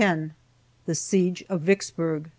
THE SIEGE OF VICKSBURG.